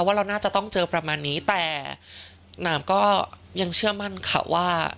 ว่าเราน่าจะต้องเจอประมาณนี้แต่หนามก็ยังเชื่อมั่นค่ะว่า